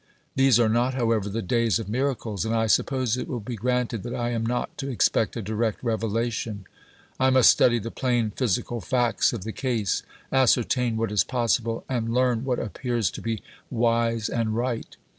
These are not, however, the days of miracles, and I suppose it will be granted that I am not to expect a direct revelation. I must study the plain physical facts of the case, ascertain what is possible, and learn what appears to be wise and right.